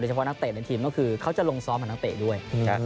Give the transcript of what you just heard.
เฉพาะนักเตะในทีมก็คือเขาจะลงซ้อมกับนักเตะด้วย